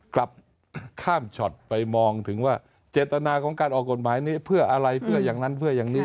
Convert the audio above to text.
กลับข้ามช็อตไปมองถึงว่าเจตนาของการออกกฎหมายนี้เพื่ออะไรเพื่ออย่างนั้นเพื่ออย่างนี้